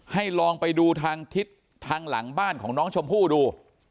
ลองไปดูทางทิศทางหลังบ้านของน้องชมพู่ดู